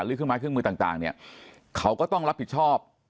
หรือขึ้นมาคลิกมือต่างเนี่ยเขาก็ต้องรับผิดชอบ